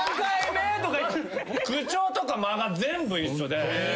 口調とか間が全部一緒で。